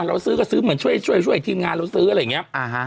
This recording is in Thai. เราซื้อก็ซื้อเหมือนช่วยช่วยทีมงานเราซื้ออะไรอย่างนี้